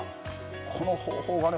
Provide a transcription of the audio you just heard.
この方法がね